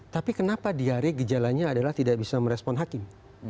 tapi kenapa diari gejalannya adalah tidak bisa merespon hakim